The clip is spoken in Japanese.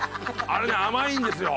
あれね甘いんですよ